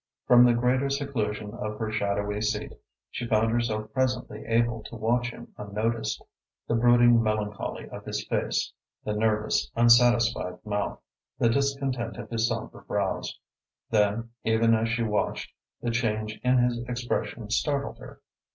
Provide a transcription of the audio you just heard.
From the greater seclusion of her shadowy seat, she found herself presently able to watch him unnoticed, the brooding melancholy of his face, the nervous, unsatisfied mouth, the discontent of his sombre brows. Then, even as she watched, the change in his expression startled her.